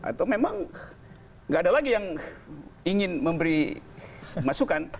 atau memang nggak ada lagi yang ingin memberi masukan